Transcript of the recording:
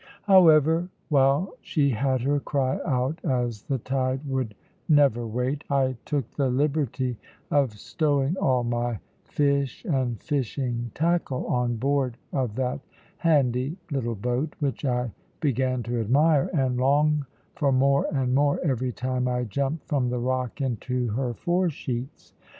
However, while she had her cry out (as the tide would never wait), I took the liberty of stowing all my fish and fishing tackle on board of that handy little boat, which I began to admire and long for more and more every time I jumped from the rock into her foresheets.